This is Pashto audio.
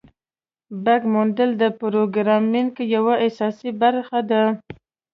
بګ موندل د پروګرامینګ یوه اساسي برخه ده.